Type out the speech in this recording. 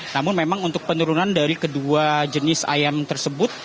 namun memang untuk penurunan dari kedua jenis ayam tersebut